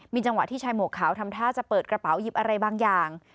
จังหวะที่ชายหมวกขาวทำท่าจะเปิดกระเป๋าหยิบอะไรบางอย่าง